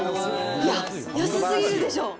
いや、安すぎるでしょう。